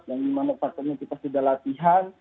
yang dimana faktanya kita sudah latihan